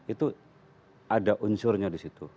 itu ada unsurnya di situ